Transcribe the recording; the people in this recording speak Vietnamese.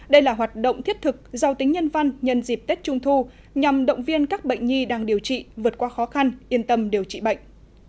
đây là hoạt động thiết thực giao tính nhân văn nhân dịp tết trung thu nhằm động viên các bệnh nhi đang điều trị vượt qua khó khăn yên tâm điều trị bệnh